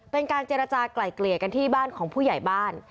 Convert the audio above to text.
เป็นการเจรจากลายเกลี่ยกันที่บ้านของผู้ใหญ่บ้าน